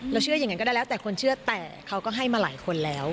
เชื่ออย่างนั้นก็ได้แล้วแต่คนเชื่อแต่เขาก็ให้มาหลายคนแล้ว